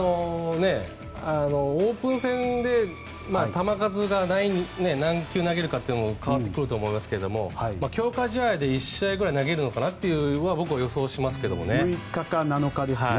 オープン戦で球数が何球投げるかにも変わってくると思いますが強化試合で１試合ぐらい投げるのかなと６日か７日ですね。